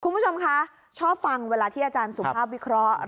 คุณผู้ชมคะชอบฟังเวลาที่อาจารย์สุภาพวิเคราะห์